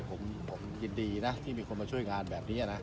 ผมยินดีนะที่มีคนมาช่วยงานแบบนี้นะ